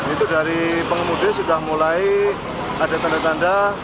itu dari pengemudi sudah mulai ada tanda tanda